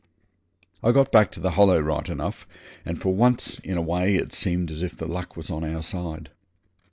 I got back to the Hollow right enough, and for once in a way it seemed as if the luck was on our side.